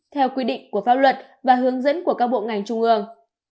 theo quy định của pháp luật và hướng dẫn của các bộ ngành trung ương